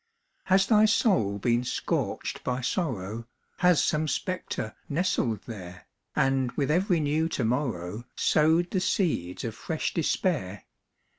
Has thy soul been scorched by sorrow, Has some spectre nestled there? And with every new to morrow, Sowed the seeds of fresh despair?